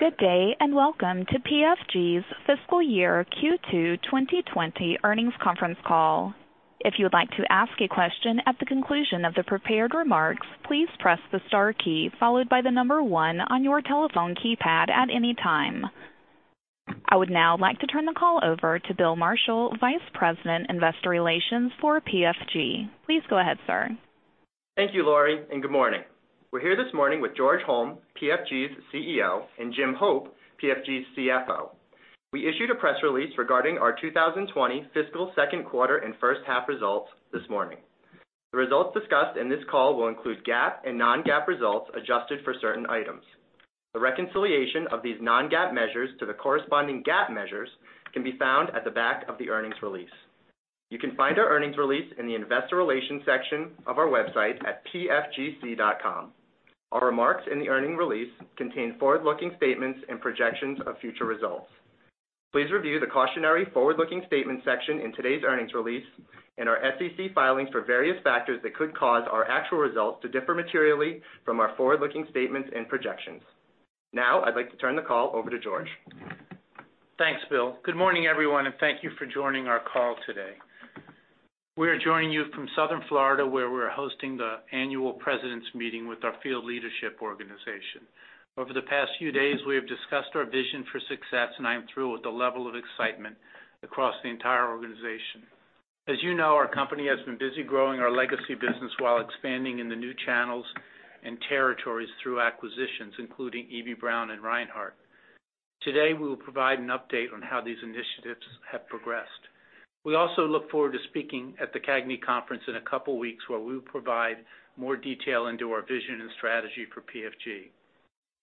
Good day, and welcome to PFG's Fiscal Year Q2 2020 Earnings Conference Call. If you would like to ask a question at the conclusion of the prepared remarks, please press the star key followed by the number one on your telephone keypad at any time. I would now like to turn the call over to Bill Marshall, Vice President, Investor Relations for PFG. Please go ahead, sir. Thank you, Laurie, and good morning. We're here this morning with George Holm, PFG's CEO, and Jim Hope, PFG's CFO. We issued a press release regarding our 2020 fiscal second quarter and first half results this morning. The results discussed in this call will include GAAP and non-GAAP results, adjusted for certain items. A reconciliation of these non-GAAP measures to the corresponding GAAP measures can be found at the back of the earnings release. You can find our earnings release in the Investor Relations section of our website at pfgc.com. Our remarks in the earnings release contain forward-looking statements and projections of future results. Please review the Cautionary Forward-Looking Statements section in today's earnings release and our SEC filings for various factors that could cause our actual results to differ materially from our forward-looking statements and projections. Now, I'd like to turn the call over to George. Thanks, Bill. Good morning, everyone, and thank you for joining our call today. We are joining you from Southern Florida, where we're hosting the annual presidents' meeting with our field leadership organization. Over the past few days, we have discussed our vision for success, and I am thrilled with the level of excitement across the entire organization. As you know, our company has been busy growing our legacy business while expanding in the new channels and territories through acquisitions, including Eby-Brown and Reinhart. Today, we will provide an update on how these initiatives have progressed. We also look forward to speaking at the CAGNY Conference in a couple of weeks, where we will provide more detail into our vision and strategy for PFG.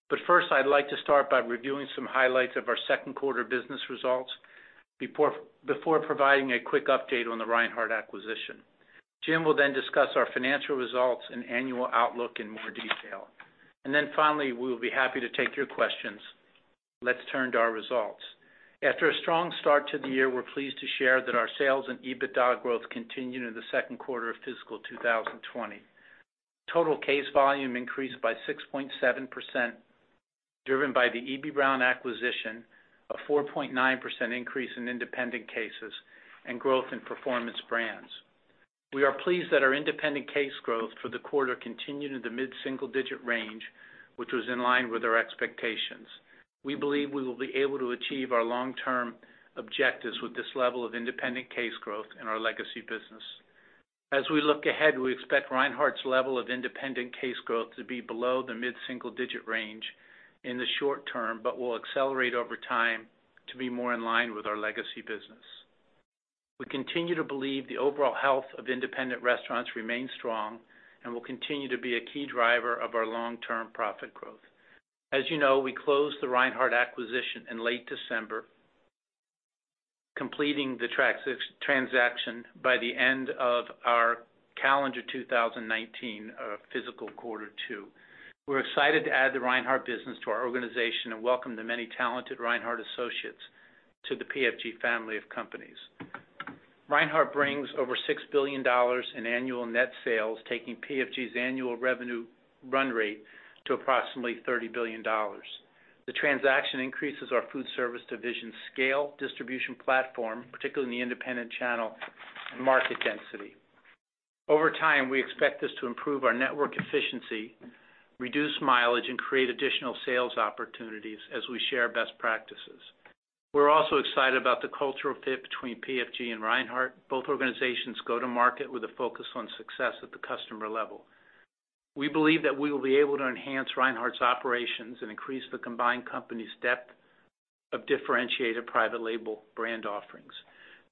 But first, I'd like to start by reviewing some highlights of our second quarter business results before providing a quick update on the Reinhart acquisition. Jim will then discuss our financial results and annual outlook in more detail. And then finally, we will be happy to take your questions. Let's turn to our results. After a strong start to the year, we're pleased to share that our sales and EBITDA growth continued in the second quarter of fiscal 2020. Total case volume increased by 6.7%, driven by the Eby-Brown acquisition, a 4.9% increase in independent cases, and growth in Performance Brands. We are pleased that our independent case growth for the quarter continued in the mid-single digit range, which was in line with our expectations. We believe we will be able to achieve our long-term objectives with this level of independent case growth in our legacy business. As we look ahead, we expect Reinhart's level of independent case growth to be below the mid-single digit range in the short term, but will accelerate over time to be more in line with our legacy business. We continue to believe the overall health of independent restaurants remains strong and will continue to be a key driver of our long-term profit growth. As you know, we closed the Reinhart acquisition in late December, completing the transaction by the end of our calendar 2019 fiscal quarter two. We're excited to add the Reinhart business to our organization and welcome the many talented Reinhart associates to the PFG family of companies. Reinhart brings over $6 billion in annual net sales, taking PFG's annual revenue run rate to approximately $30 billion. The transaction increases our Foodservice division's scale, distribution platform, particularly in the independent channel, and market density. Over time, we expect this to improve our network efficiency, reduce mileage, and create additional sales opportunities as we share best practices. We're also excited about the cultural fit between PFG and Reinhart. Both organizations go to market with a focus on success at the customer level. We believe that we will be able to enhance Reinhart's operations and increase the combined company's depth of differentiated private label brand offerings.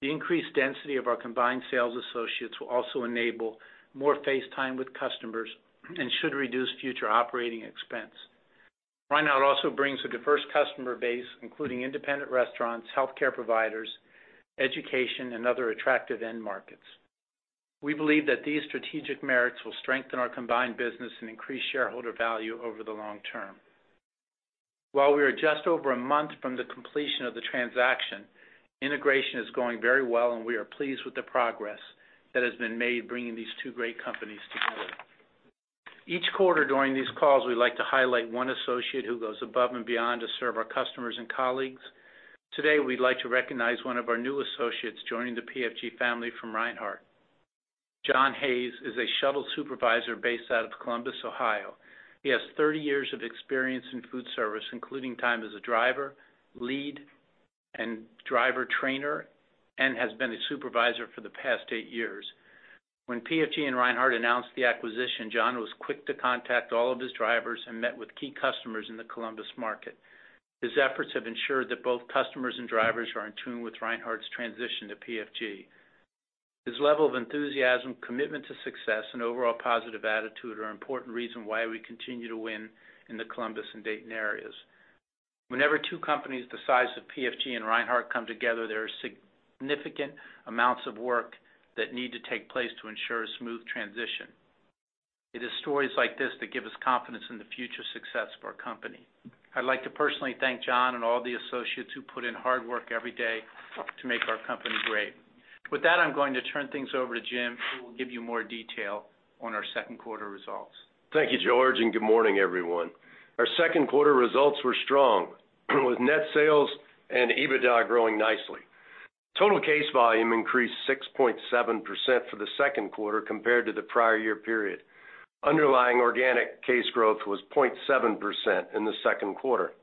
The increased density of our combined sales associates will also enable more face time with customers and should reduce future operating expense. Reinhart also brings a diverse customer base, including independent restaurants, healthcare providers, education, and other attractive end markets. We believe that these strategic merits will strengthen our combined business and increase shareholder value over the long term. While we are just over a month from the completion of the transaction, integration is going very well, and we are pleased with the progress that has been made, bringing these two great companies together. Each quarter during these calls, we like to highlight one associate who goes above and beyond to serve our customers and colleagues. Today, we'd like to recognize one of our new associates joining the PFG family from Reinhart. John Hayes is a shuttle supervisor based out of Columbus, Ohio. He has 30 years of experience in Foodservice, including time as a driver, lead, and driver trainer, and has been a supervisor for the past eight years. When PFG and Reinhart announced the acquisition, John was quick to contact all of his drivers and met with key customers in the Columbus market. His efforts have ensured that both customers and drivers are in tune with Reinhart's transition to PFG. His level of enthusiasm, commitment to success, and overall positive attitude are an important reason why we continue to win in the Columbus and Dayton areas. Whenever two companies the size of PFG and Reinhart come together, there are significant amounts of work that need to take place to ensure a smooth transition. It is stories like this that give us confidence in the future success of our company.... I'd like to personally thank John and all the associates who put in hard work every day to make our company great. With that, I'm going to turn things over to Jim, who will give you more detail on our second quarter results. Thank you, George, and good morning, everyone. Our second quarter results were strong, with net sales and EBITDA growing nicely. Total case volume increased 6.7% for the second quarter compared to the prior year period. Underlying organic case growth was 0.7% in the second quarter.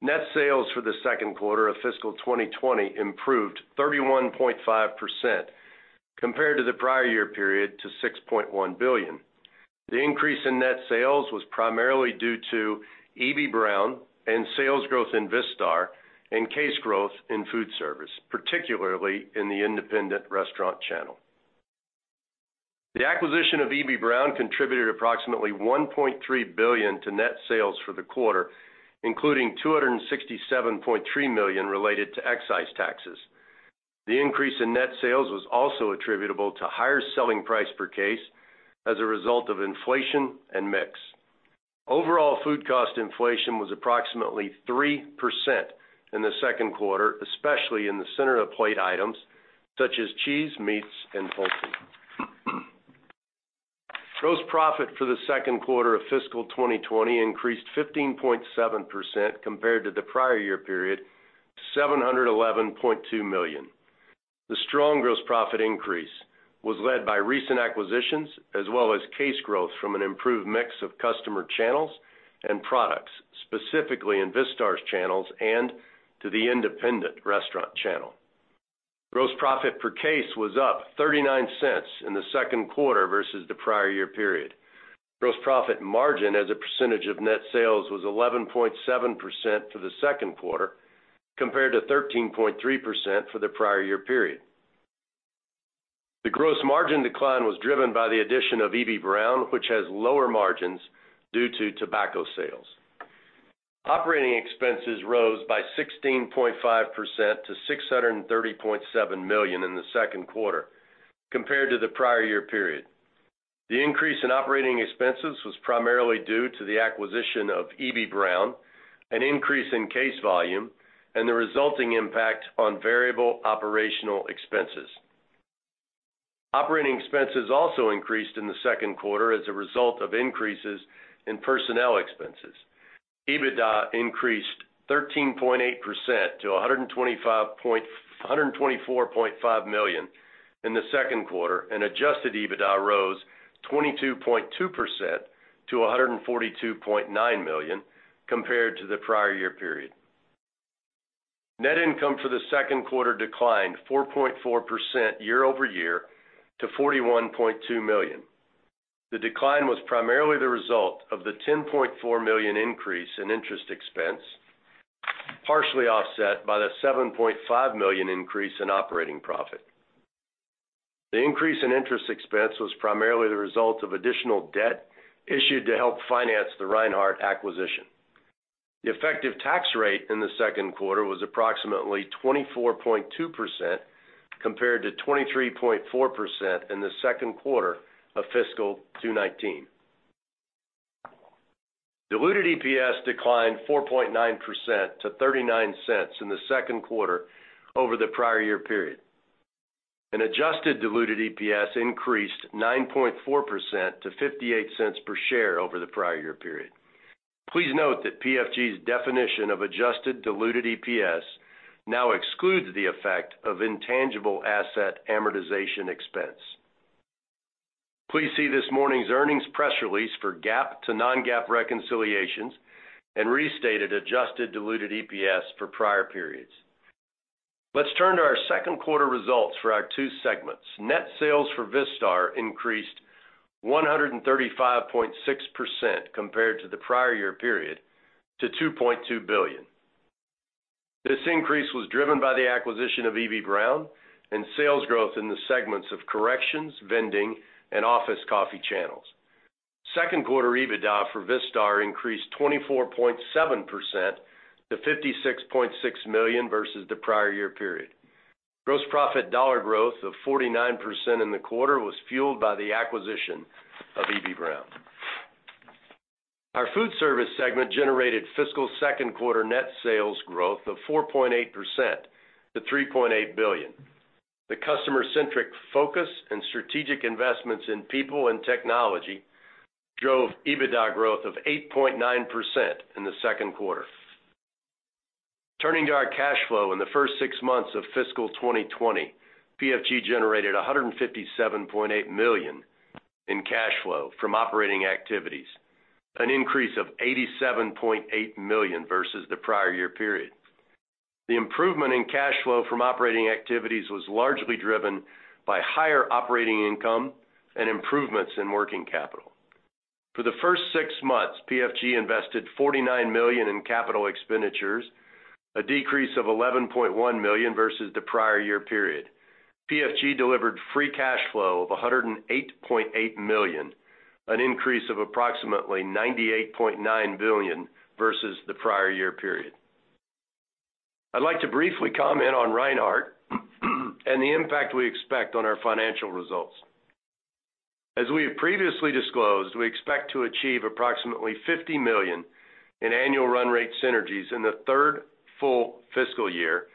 Net sales for the second quarter of fiscal 2020 improved 31.5% compared to the prior year period to $6.1 billion. The increase in net sales was primarily due to Eby-Brown and sales growth in Vistar and case growth in Foodservice, particularly in the independent restaurant channel. The acquisition of Eby-Brown contributed approximately $1.3 billion to net sales for the quarter, including $267.3 million related to excise taxes. The increase in net sales was also attributable to higher selling price per case as a result of inflation and mix. Overall, food cost inflation was approximately 3% in the second quarter, especially in the center-of-plate items such as cheese, meats, and poultry. Gross profit for the second quarter of fiscal 2020 increased 15.7% compared to the prior year period, $711.2 million. The strong gross profit increase was led by recent acquisitions, as well as case growth from an improved mix of customer channels and products, specifically in Vistar's channels and to the independent restaurant channel. Gross profit per case was up $0.39 in the second quarter versus the prior year period. Gross profit margin as a percentage of net sales was 11.7% for the second quarter, compared to 13.3% for the prior year period. The gross margin decline was driven by the addition of Eby-Brown, which has lower margins due to tobacco sales. Operating expenses rose by 16.5% to $630.7 million in the second quarter compared to the prior year period. The increase in operating expenses was primarily due to the acquisition of Eby-Brown, an increase in case volume, and the resulting impact on variable operational expenses. Operating expenses also increased in the second quarter as a result of increases in personnel expenses. Adjusted EBITDA increased 13.8% to $124.5 million in the second quarter, and adjusted EBITDA rose 22.2% to $142.9 million compared to the prior year period. Net income for the second quarter declined 4.4% year-over-year to $41.2 million. The decline was primarily the result of the $10.4 million increase in interest expense, partially offset by the $7.5 million increase in operating profit. The increase in interest expense was primarily the result of additional debt issued to help finance the Reinhart acquisition. The effective tax rate in the second quarter was approximately 24.2%, compared to 23.4% in the second quarter of fiscal 2019. Diluted EPS declined 4.9% to $0.39 in the second quarter over the prior year period. An adjusted diluted EPS increased 9.4% to $0.58 per share over the prior year period. Please note that PFG's definition of adjusted diluted EPS now excludes the effect of intangible asset amortization expense. Please see this morning's earnings press release for GAAP to non-GAAP reconciliations and restated adjusted diluted EPS for prior periods. Let's turn to our second quarter results for our two segments. Net sales for Vistar increased 135.6% compared to the prior year period to $2.2 billion. This increase was driven by the acquisition of Eby-Brown and sales growth in the segments of corrections, vending, and office coffee channels. Second quarter EBITDA for Vistar increased 24.7% to $56.6 million versus the prior year period. Gross profit dollar growth of 49% in the quarter was fueled by the acquisition of Eby-Brown. Our Foodservice segment generated fiscal second quarter net sales growth of 4.8% to $3.8 billion. The customer-centric focus and strategic investments in people and technology drove EBITDA growth of 8.9% in the second quarter. Turning to our cash flow, in the first six months of fiscal 2020, PFG generated $157.8 million in cash flow from operating activities, an increase of $87.8 million versus the prior year period. The improvement in cash flow from operating activities was largely driven by higher operating income and improvements in working capital. For the first six months, PFG invested $49 million in capital expenditures, a decrease of $11.1 million versus the prior year period. PFG delivered free cash flow of $108.8 million, an increase of approximately $98.9 million versus the prior year period. I'd like to briefly comment on Reinhart and the impact we expect on our financial results. As we have previously disclosed, we expect to achieve approximately $50 million in annual run rate synergies in the third full fiscal year,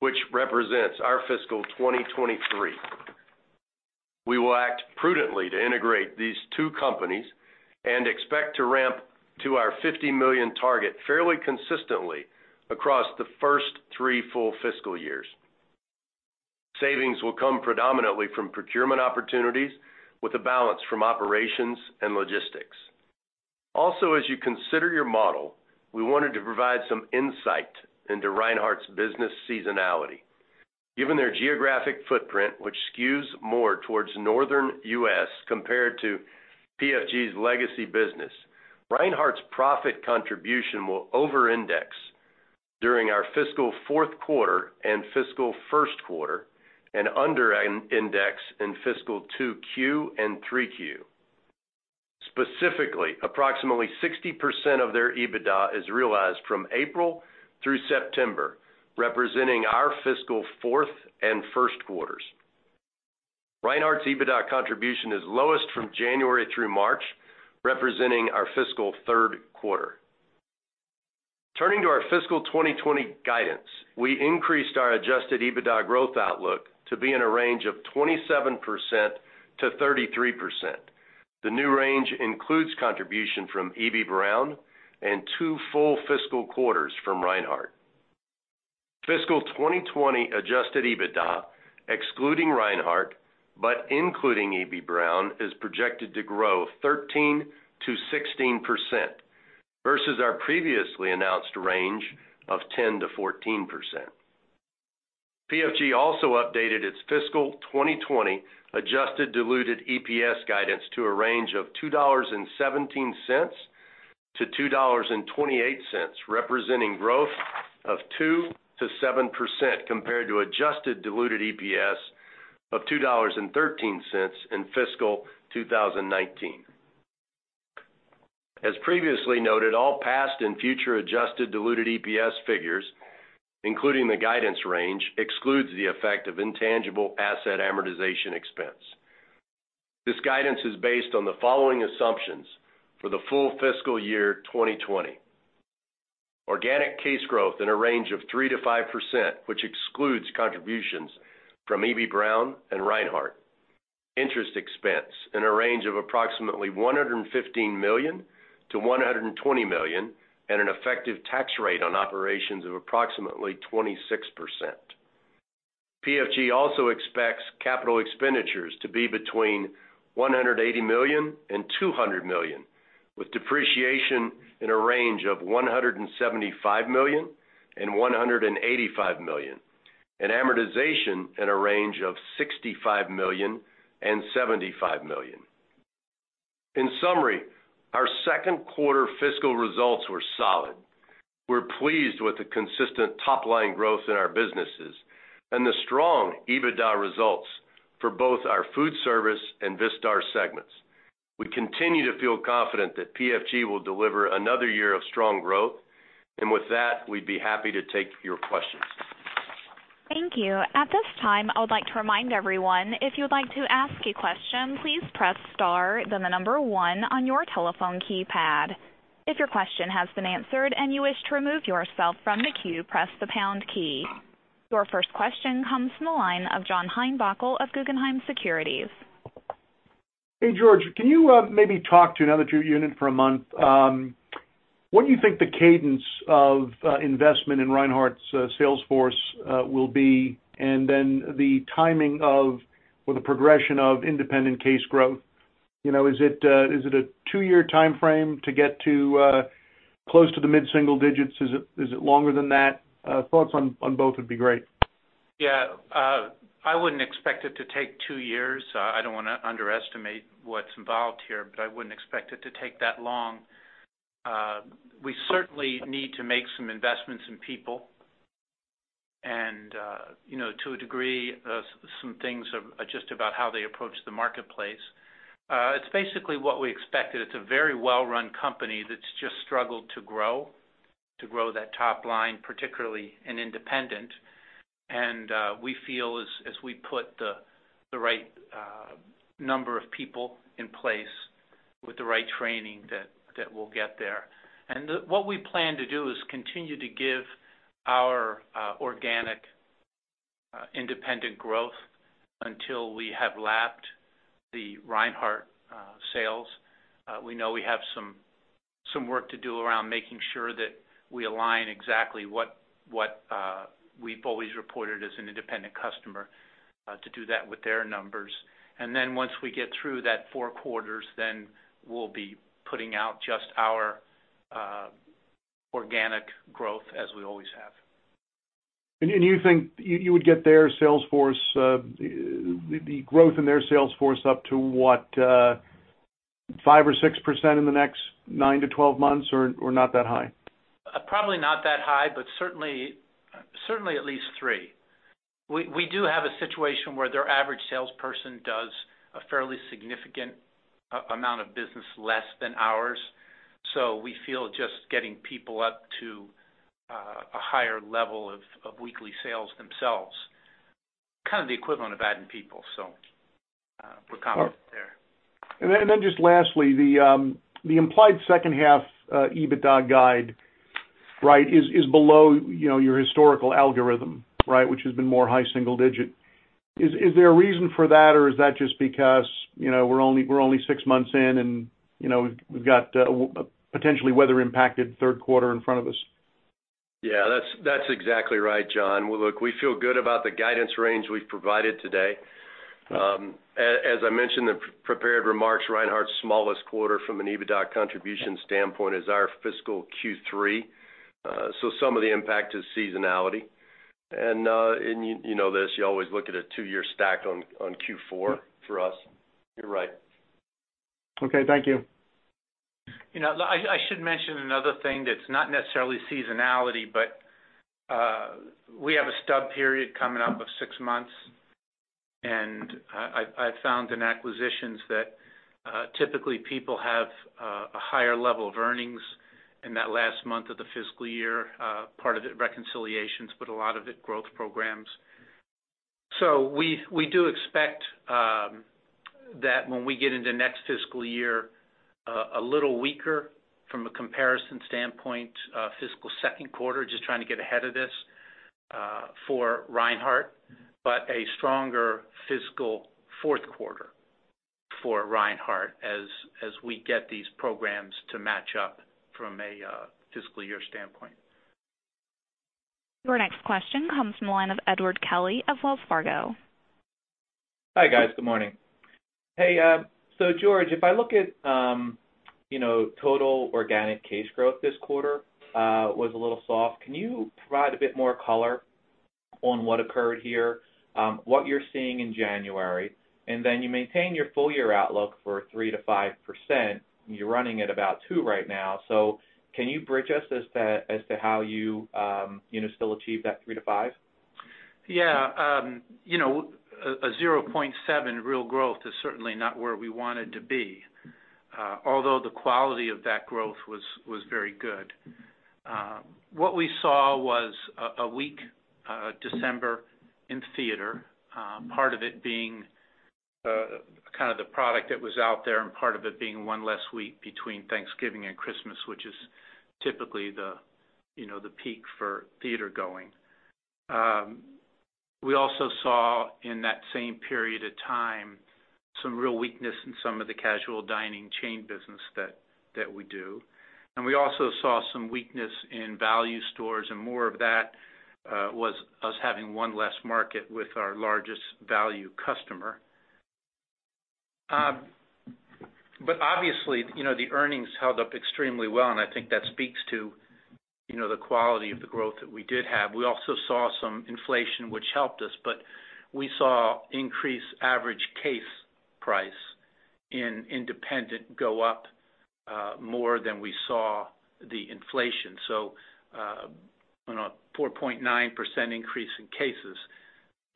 which represents our fiscal 2023. We will act prudently to integrate these two companies and expect to ramp to our $50 million target fairly consistently across the first three full fiscal years. Savings will come predominantly from procurement opportunities, with a balance from operations and logistics. Also, as you consider your model, we wanted to provide some insight into Reinhart's business seasonality. Given their geographic footprint, which skews more towards Northern U.S. compared to PFG's legacy business, Reinhart's profit contribution will overindex during our fiscal fourth quarter and fiscal first quarter, and underindex in fiscal 2Q and 3Q. Specifically, approximately 60% of their EBITDA is realized from April through September, representing our fiscal fourth and first quarters. Reinhart's EBITDA contribution is lowest from January through March, representing our fiscal third quarter. Turning to our fiscal 2020 guidance, we increased our adjusted EBITDA growth outlook to be in a range of 27%-33%. The new range includes contribution from Eby-Brown and two full fiscal quarters from Reinhart. Fiscal 2020 Adjusted EBITDA, excluding Reinhart, but including Eby-Brown, is projected to grow 13%-16% versus our previously announced range of 10%-14%. PFG also updated its fiscal 2020 Adjusted Diluted EPS guidance to a range of $2.17-$2.28, representing growth of 2%-7% compared to Adjusted Diluted EPS of $2.13 in fiscal 2019. As previously noted, all past and future Adjusted Diluted EPS figures, including the guidance range, excludes the effect of intangible asset amortization expense. This guidance is based on the following assumptions for the full fiscal year 2020: Organic case growth in a range of 3%-5%, which excludes contributions from Eby-Brown and Reinhart. Interest expense in a range of approximately $115 million-$120 million, and an effective tax rate on operations of approximately 26%. PFG also expects capital expenditures to be between $180 million and $200 million, with depreciation in a range of $175 million-$185 million, and amortization in a range of $65 million-$75 million. In summary, our second quarter fiscal results were solid. We're pleased with the consistent top line growth in our businesses and the strong EBITDA results for both our Foodservice and Vistar segments. We continue to feel confident that PFG will deliver another year of strong growth. And with that, we'd be happy to take your questions. Thank you. At this time, I would like to remind everyone, if you would like to ask a question, please press star, then the number one on your telephone keypad. If your question has been answered and you wish to remove yourself from the queue, press the pound key. Your first question comes from the line of John Heinbockel of Guggenheim Securities. Hey, George, can you maybe talk to now that you've owned it for a month, what do you think the cadence of investment in Reinhart's sales force will be, and then the timing of, or the progression of independent case growth? You know, is it a two-year time frame to get to close to the mid-single digits? Is it longer than that? Thoughts on both would be great. Yeah, I wouldn't expect it to take two years. I don't want to underestimate what's involved here, but I wouldn't expect it to take that long. We certainly need to make some investments in people and, you know, to a degree, some things are just about how they approach the marketplace. It's basically what we expected. It's a very well-run company that's just struggled to grow, to grow that top line, particularly in independent. And, we feel as we put the right number of people in place with the right training, that we'll get there. And what we plan to do is continue to give our organic independent growth until we have lapped the Reinhart sales. We know we have some work to do around making sure that we align exactly what we've always reported as an independent customer to do that with their numbers. Then once we get through that four quarters, we'll be putting out just our organic growth as we always have. You think you would get their sales force, the growth in their sales force up to what, 5 or 6% in the next 9-12 months, or not that high? Probably not that high, but certainly, certainly at least three.... We do have a situation where their average salesperson does a fairly significant amount of business less than ours. So we feel just getting people up to a higher level of weekly sales themselves, kind of the equivalent of adding people, so we're confident there. Then just lastly, the implied second half EBITDA guide, right, is below, you know, your historical algorithm, right? Which has been more high single digit. Is there a reason for that, or is that just because, you know, we're only six months in and, you know, we've got potentially weather-impacted third quarter in front of us? Yeah, that's exactly right, John. Well, look, we feel good about the guidance range we've provided today. As I mentioned in the prepared remarks, Reinhart's smallest quarter from an EBITDA contribution standpoint is our fiscal Q3. So some of the impact is seasonality. And you know this, you always look at a two-year stack on Q4 for us. You're right. Okay, thank you. You know, I should mention another thing that's not necessarily seasonality, but we have a stub period coming up of six months. And I found in acquisitions that typically people have a higher level of earnings in that last month of the fiscal year, part of it reconciliations, but a lot of it growth programs. So we do expect that when we get into next fiscal year a little weaker from a comparison standpoint, fiscal second quarter, just trying to get ahead of this for Reinhart, but a stronger fiscal fourth quarter for Reinhart as we get these programs to match up from a fiscal year standpoint. Your next question comes from the line of Edward Kelly of Wells Fargo. Hi, guys. Good morning. Hey, so George, if I look at, you know, total organic case growth this quarter, was a little soft, can you provide a bit more color on what occurred here, what you're seeing in January? And then you maintain your full year outlook for 3%-5%, you're running at about 2% right now. So can you bridge us as to, as to how you, you know, still achieve that 3%-5%? Yeah. You know, 0.7 real growth is certainly not where we wanted to be, although the quality of that growth was very good. What we saw was a weak December in theater, part of it being kind of the product that was out there, and part of it being one less week between Thanksgiving and Christmas, which is typically the, you know, the peak for theater going. We also saw in that same period of time, some real weakness in some of the casual dining chain business that we do. We also saw some weakness in value stores, and more of that was us having one less market with our largest value customer. But obviously, you know, the earnings held up extremely well, and I think that speaks to, you know, the quality of the growth that we did have. We also saw some inflation, which helped us, but we saw increased average case price in independent go up more than we saw the inflation. So on a 4.9% increase in cases,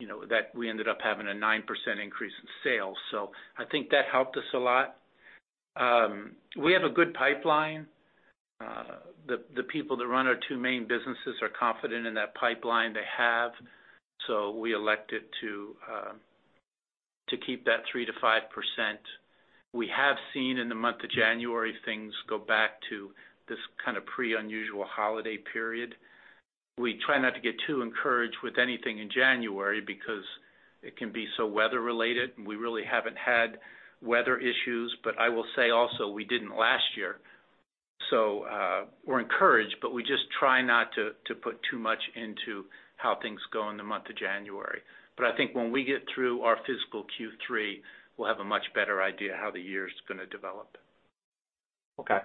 you know, that we ended up having a 9% increase in sales. So I think that helped us a lot. We have a good pipeline. The people that run our two main businesses are confident in that pipeline they have, so we elected to keep that 3%-5%. We have seen in the month of January, things go back to this kind of pre-unusual holiday period. We try not to get too encouraged with anything in January because it can be so weather-related, and we really haven't had weather issues. But I will say also, we didn't last year, so we're encouraged, but we just try not to put too much into how things go in the month of January. But I think when we get through our fiscal Q3, we'll have a much better idea of how the year is gonna develop. Okay.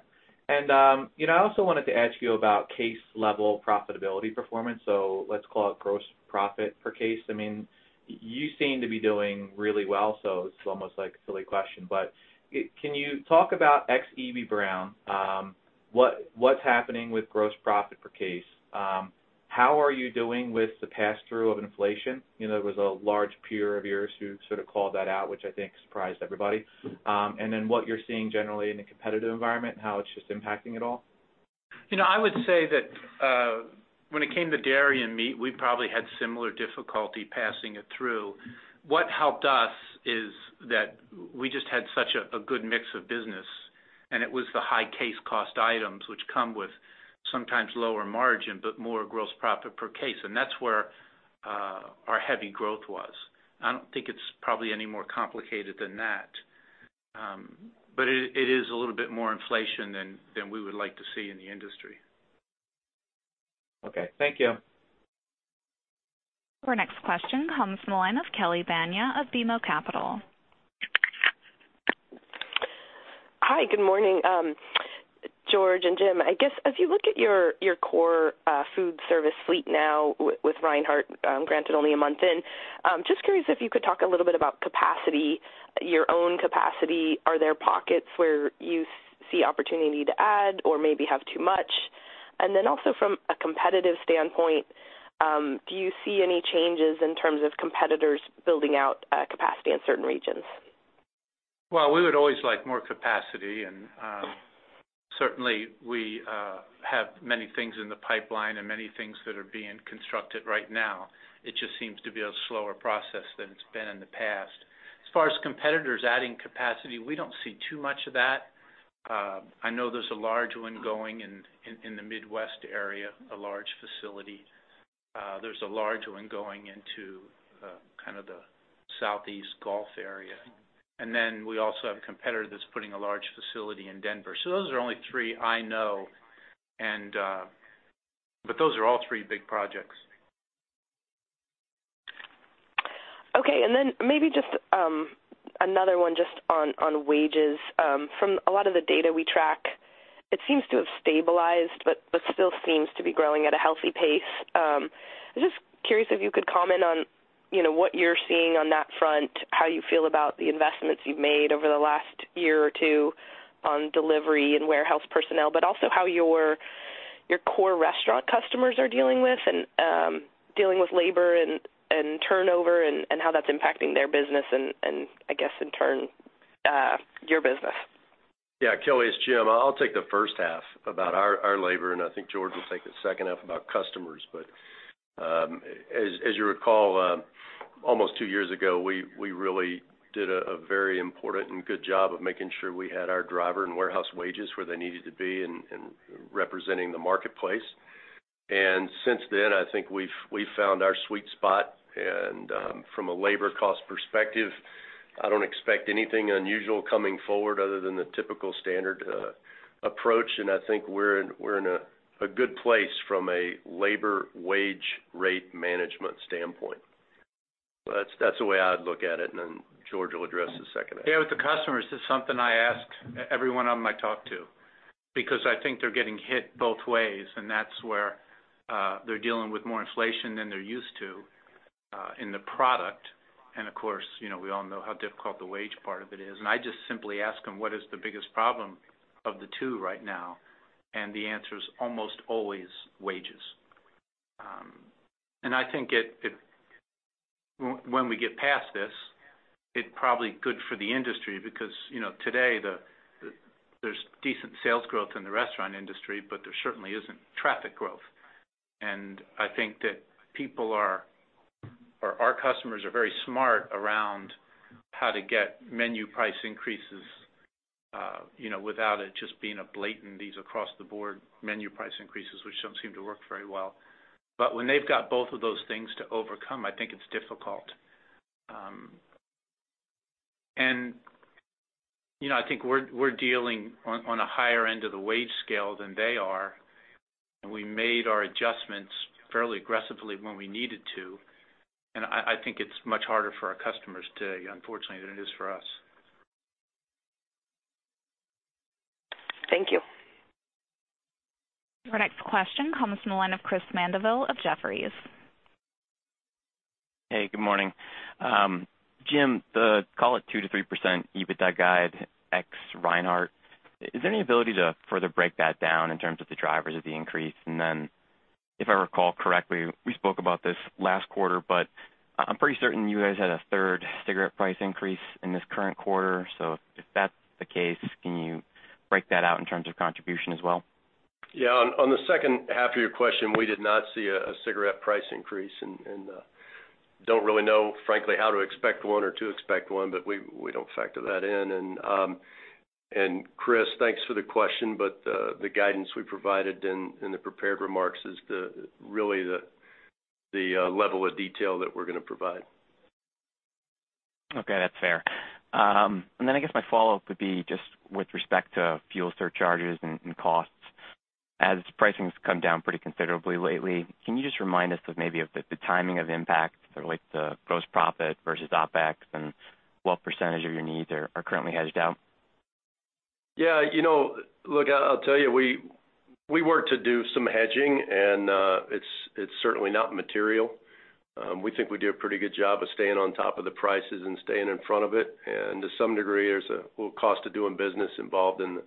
And, you know, I also wanted to ask you about case-level profitability performance, so let's call it gross profit per case. I mean, you seem to be doing really well, so it's almost like a silly question, but it—can you talk about ex Eby-Brown, what, what's happening with gross profit per case? How are you doing with the pass-through of inflation? You know, there was a large peer of yours who sort of called that out, which I think surprised everybody. And then what you're seeing generally in the competitive environment, how it's just impacting it all. You know, I would say that when it came to dairy and meat, we probably had similar difficulty passing it through. What helped us is that we just had such a good mix of business, and it was the high case cost items, which come with sometimes lower margin, but more gross profit per case, and that's where our heavy growth was. I don't think it's probably any more complicated than that. But it is a little bit more inflation than we would like to see in the industry. Okay, thank you. Our next question comes from the line of Kelly Bania of BMO Capital. Hi, good morning, George and Jim. I guess, as you look at your core Foodservice fleet now with Reinhart, granted only a month in, just curious if you could talk a little bit about capacity, your own capacity. Are there pockets where you see opportunity to add or maybe have too much? And then also from a competitive standpoint, do you see any changes in terms of competitors building out capacity in certain regions? Well, we would always like more capacity, and certainly we have many things in the pipeline and many things that are being constructed right now. It just seems to be a slower process than it's been in the past. As far as competitors adding capacity, we don't see too much of that. I know there's a large one going in the Midwest area, a large facility. There's a large one going into kind of the Southeast Gulf area. And then we also have a competitor that's putting a large facility in Denver. So those are only three I know, and but those are all three big projects. Okay. And then maybe just another one just on wages. From a lot of the data we track, it seems to have stabilized, but still seems to be growing at a healthy pace. I'm just curious if you could comment on, you know, what you're seeing on that front, how you feel about the investments you've made over the last year or two on delivery and warehouse personnel, but also how your core restaurant customers are dealing with and dealing with labor and turnover, and how that's impacting their business, and I guess in turn your business. Yeah, Kelly, it's Jim. I'll take the first half about our labor, and I think George will take the second half about customers. But as you recall, almost two years ago, we really did a very important and good job of making sure we had our driver and warehouse wages where they needed to be and representing the marketplace. And since then, I think we've found our sweet spot. And from a labor cost perspective, I don't expect anything unusual coming forward other than the typical standard approach. And I think we're in a good place from a labor wage rate management standpoint. That's the way I'd look at it, and then George will address the second half. Yeah, with the customers, this is something I asked everyone I might talk to, because I think they're getting hit both ways, and that's where they're dealing with more inflation than they're used to in the product. And of course, you know, we all know how difficult the wage part of it is. And I just simply ask them, what is the biggest problem of the two right now? And the answer is almost always wages. And I think it when we get past this, it probably good for the industry because, you know, today, there's decent sales growth in the restaurant industry, but there certainly isn't traffic growth. I think that people are, or our customers are very smart around how to get menu price increases, you know, without it just being a blatant, these across-the-board menu price increases, which don't seem to work very well. But when they've got both of those things to overcome, I think it's difficult. And, you know, I think we're, we're dealing on, on a higher end of the wage scale than they are, and we made our adjustments fairly aggressively when we needed to. I, I think it's much harder for our customers today, unfortunately, than it is for us. Thank you. Your next question comes from the line of Chris Mandeville of Jefferies. Hey, good morning. Jim, the call it 2%-3% EBITDA guide ex Reinhart, is there any ability to further break that down in terms of the drivers of the increase? And then, if I recall correctly, we spoke about this last quarter, but I'm pretty certain you guys had a third cigarette price increase in this current quarter. So if that's the case, can you break that out in terms of contribution as well? Yeah. On the second half of your question, we did not see a cigarette price increase, and don't really know, frankly, how to expect one or to expect one, but we don't factor that in. And Chris, thanks for the question, but the guidance we provided in the prepared remarks is really the level of detail that we're gonna provide. Okay, that's fair. And then I guess my follow-up would be just with respect to fuel surcharges and, and costs. As pricing's come down pretty considerably lately, can you just remind us of maybe of the timing of impact for like the gross profit versus OpEx, and what percentage of your needs are currently hedged out? Yeah, you know, look, I'll tell you, we work to do some hedging, and it's certainly not material. We think we do a pretty good job of staying on top of the prices and staying in front of it. And to some degree, there's a little cost of doing business involved in the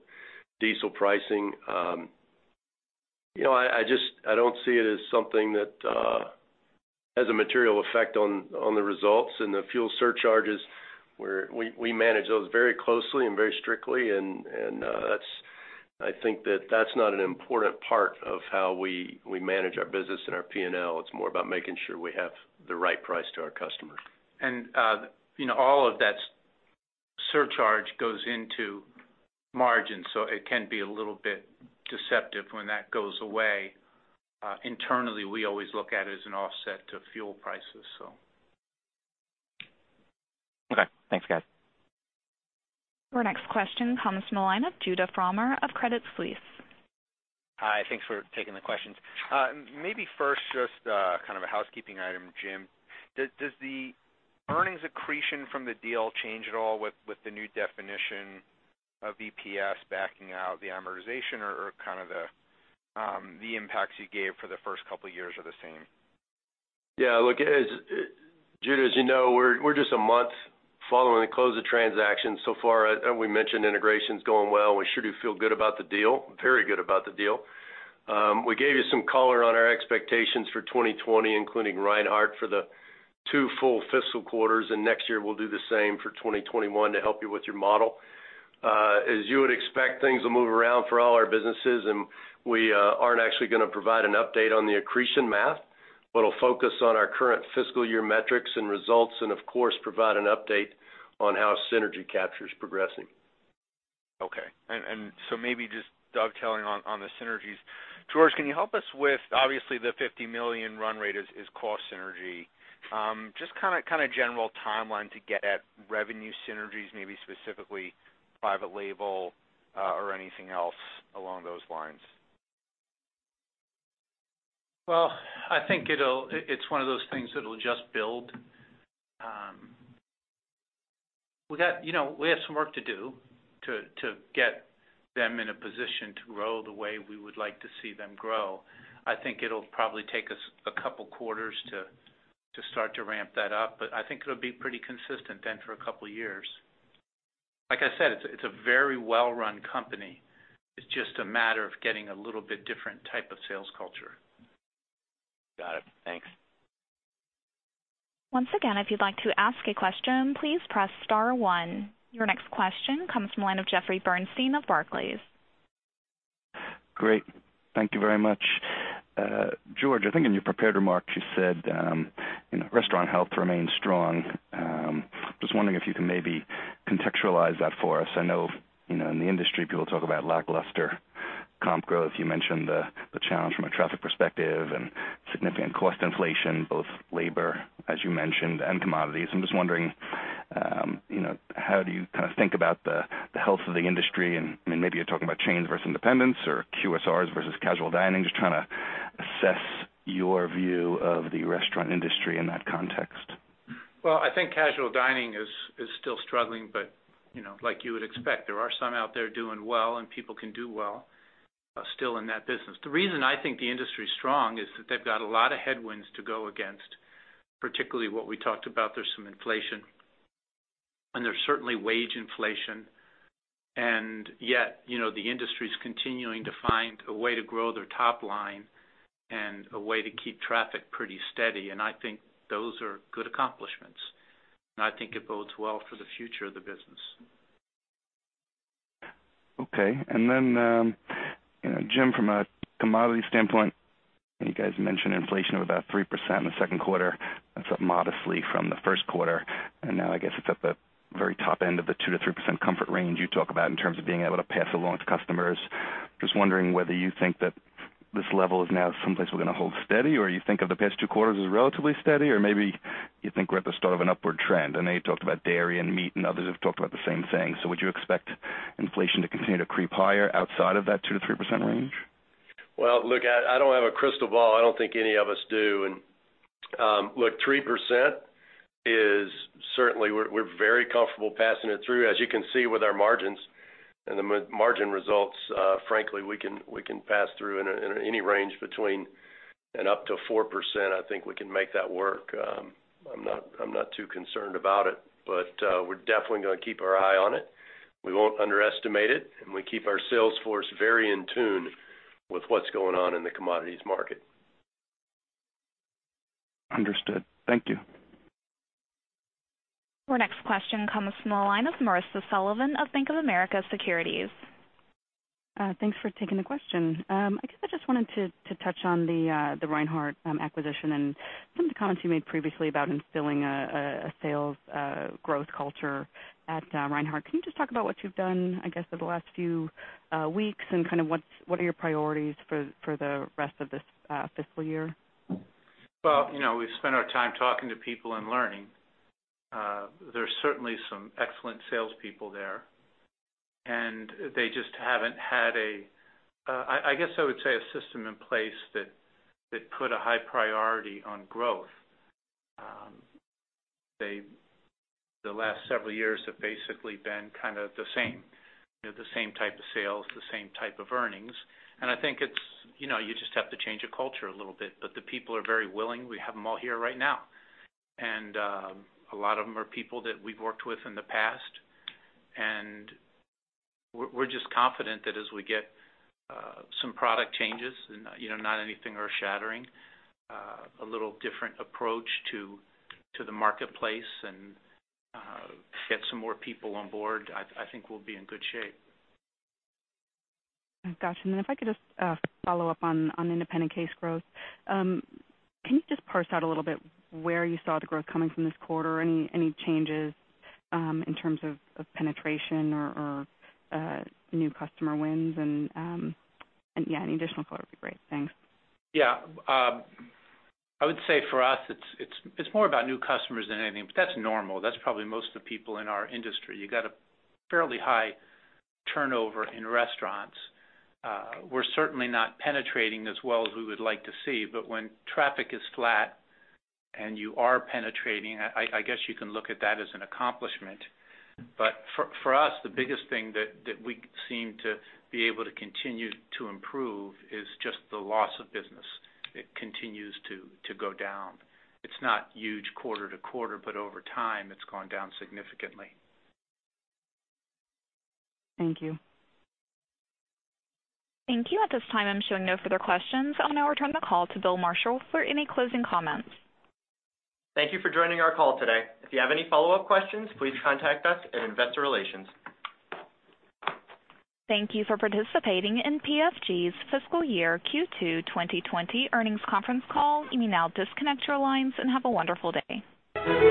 diesel pricing. You know, I just I don't see it as something that has a material effect on the results and the fuel surcharges, where we manage those very closely and very strictly, and that's I think that's not an important part of how we manage our business and our P&L. It's more about making sure we have the right price to our customer. And, you know, all of that surcharge goes into margin, so it can be a little bit deceptive when that goes away. Internally, we always look at it as an offset to fuel prices, so. Okay. Thanks, guys. Our next question comes from the line of Judah Frommer of Credit Suisse. Hi, thanks for taking the questions. Maybe first, just kind of a housekeeping item, Jim. Does the earnings accretion from the deal change at all with the new definition of EPS backing out the amortization, or kind of the impacts you gave for the first couple of years are the same?... Yeah, look, as Judah, as you know, we're just a month following the close of transaction. So far, we mentioned integration is going well. We sure do feel good about the deal, very good about the deal. We gave you some color on our expectations for 2020, including Reinhart, for the 2 full fiscal quarters, and next year, we'll do the same for 2021 to help you with your model. As you would expect, things will move around for all our businesses, and we aren't actually gonna provide an update on the accretion math. But we'll focus on our current fiscal year metrics and results, and of course, provide an update on how synergy capture is progressing. Okay, and so maybe just dovetailing on the synergies. George, can you help us with obviously the $50 million run rate is cost synergy. Just kind of general timeline to get at revenue synergies, maybe specifically private label, or anything else along those lines? Well, I think it'll, it's one of those things that'll just build. You know, we have some work to do to get them in a position to grow the way we would like to see them grow. I think it'll probably take us a couple quarters to start to ramp that up, but I think it'll be pretty consistent then for a couple years. Like I said, it's a very well-run company. It's just a matter of getting a little bit different type of sales culture. Got it. Thanks. Once again, if you'd like to ask a question, please press star one. Your next question comes from the line of Jeffrey Bernstein of Barclays. Great. Thank you very much. George, I think in your prepared remarks, you said, you know, restaurant health remains strong. Just wondering if you can maybe contextualize that for us. I know, you know, in the industry, people talk about lackluster comp growth. You mentioned the challenge from a traffic perspective and significant cost inflation, both labor, as you mentioned, and commodities. I'm just wondering, you know, how do you kind of think about the health of the industry? And maybe you're talking about chains versus independents or QSRs versus casual dining. Just trying to assess your view of the restaurant industry in that context. Well, I think casual dining is still struggling, but you know, like you would expect, there are some out there doing well, and people can do well still in that business. The reason I think the industry is strong is that they've got a lot of headwinds to go against, particularly what we talked about. There's some inflation, and there's certainly wage inflation. And yet, you know, the industry is continuing to find a way to grow their top line and a way to keep traffic pretty steady, and I think those are good accomplishments, and I think it bodes well for the future of the business. Okay. And then, you know, Jim, from a commodity standpoint, you guys mentioned inflation of about 3% in the second quarter. That's up modestly from the first quarter, and now I guess it's at the very top end of the 2%-3% comfort range you talk about in terms of being able to pass along to customers. Just wondering whether you think that this level is now someplace we're gonna hold steady, or you think of the past two quarters as relatively steady, or maybe you think we're at the start of an upward trend. I know you talked about dairy and meat, and others have talked about the same thing. So would you expect inflation to continue to creep higher outside of that 2%-3% range? Well, look, I don't have a crystal ball. I don't think any of us do. And, look, 3% is certainly we're very comfortable passing it through. As you can see with our margins and the margin results, frankly, we can pass through in any range between and up to 4%. I think we can make that work. I'm not too concerned about it, but, we're definitely gonna keep our eye on it. We won't underestimate it, and we keep our sales force very in tune with what's going on in the commodities market. Understood. Thank you. Our next question comes from the line of Marisa Sullivan of Bank of America Securities. Thanks for taking the question. I guess I just wanted to touch on the Reinhart acquisition and some of the comments you made previously about instilling a sales growth culture at Reinhart. Can you just talk about what you've done, I guess, over the last few weeks and kind of what are your priorities for the rest of this fiscal year? Well, you know, we've spent our time talking to people and learning. There's certainly some excellent salespeople there, and they just haven't had a, I guess I would say, a system in place that put a high priority on growth. They, the last several years have basically been kind of the same, you know, the same type of sales, the same type of earnings. And I think it's, you know, you just have to change the culture a little bit, but the people are very willing. We have them all here right now, and a lot of them are people that we've worked with in the past. We're just confident that as we get some product changes and, you know, not anything earth-shattering, a little different approach to the marketplace and get some more people on board, I think we'll be in good shape. Gotcha. And then if I could just follow up on independent case growth. Can you just parse out a little bit where you saw the growth coming from this quarter? Any changes in terms of penetration or new customer wins? And yeah, any additional color would be great. Thanks. Yeah, I would say for us, it's more about new customers than anything, but that's normal. That's probably most of the people in our industry. You got a fairly high turnover in restaurants. We're certainly not penetrating as well as we would like to see, but when traffic is flat and you are penetrating, I guess you can look at that as an accomplishment. But for us, the biggest thing that we seem to be able to continue to improve is just the loss of business. It continues to go down. It's not huge quarter to quarter, but over time it's gone down significantly. Thank you. Thank you. At this time, I'm showing no further questions. I'll now return the call to Bill Marshall for any closing comments. Thank you for joining our call today. If you have any follow-up questions, please contact us at Investor Relations. Thank you for participating in PFG's fiscal year Q2 2020 earnings conference call. You may now disconnect your lines, and have a wonderful day.